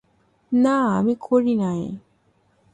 না আমি করি নাই।